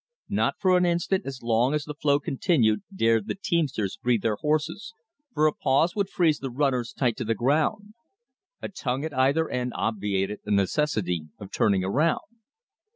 Not for an instant as long as the flow continued dared the teamsters breathe their horses, for a pause would freeze the runners tight to the ground. A tongue at either end obviated the necessity of turning around.